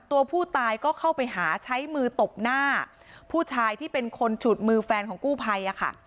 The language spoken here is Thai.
ตัวผู้ตายก็เข้าไปหาใช้มือตบหน้าผู้ชายที่เป็นคนฉุดมือแฟนของกู้ภัยอะค่ะ